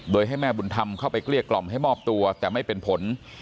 โดยให้แม่บุญธรรมเข้าไปเกลี้ยกล่อมให้มอบตัวแต่ไม่เป็นผล